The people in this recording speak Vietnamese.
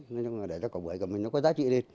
nói chung là để ra quả bưởi của mình nó có giá trị lên